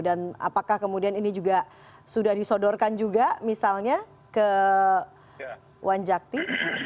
dan apakah kemudian ini juga sudah disodorkan juga misalnya ke wanjakti